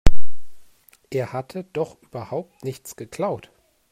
Er hatte doch überhaupt nichts geklaut.